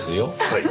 はい。